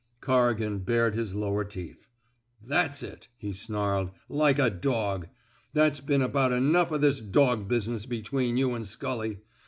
Corrigan bared his lower teeth. That's it, *' he snarled. Like a dog ! There *s been about enough o* this dog business between you an' Scully.